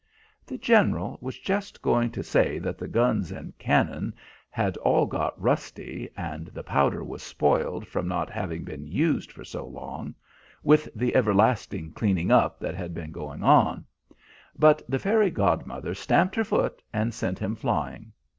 The General was just going to say that the guns and cannon had all got rusty, and the powder was spoiled from not having been used for so long, with the everlasting cleaning up that had been going on; but the fairy godmother stamped her foot and sent him flying.